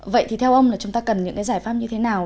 vậy thì theo ông là chúng ta cần những cái giải pháp như thế nào